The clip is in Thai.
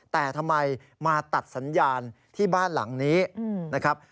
แต่ทำไมมาตัดสัญญาณที่บ้านหลังนี้นะครับ